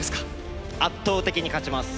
圧倒的に勝ちます。